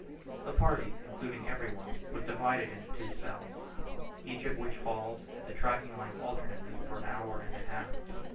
The party including every one, was divided into two spells, each of which hauled at the tracking line alternately for an hour and a half.